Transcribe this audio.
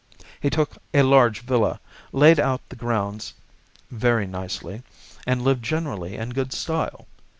He took a large villa, laid out the grounds very nicely, and lived generally in good style.